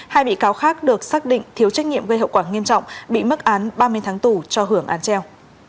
hai bị cáo khác được xác định thiếu trách nhiệm gây hậu quả nghiêm trọng bị mức án ba mươi tháng tù cho hưởng án treo